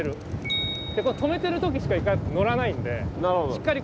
止めてる時しかイカのらないのでしっかり